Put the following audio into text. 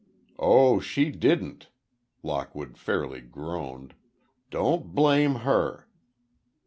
"Oh, she didn't!" Lockwood fairly groaned. "Don't blame her!